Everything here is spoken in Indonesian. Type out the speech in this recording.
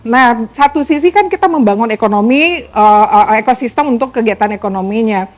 nah satu sisi kan kita membangun ekonomi ekosistem untuk kegiatan ekonominya